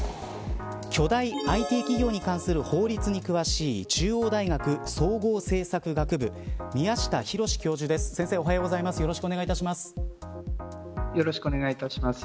巨大ＩＴ企業に関する法律に詳しい中央大学総合政策学部宮下紘教授です。